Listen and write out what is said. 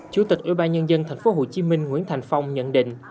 chủ tịch ủy ban nhân dân tp hcm nguyễn thầm phong nhận định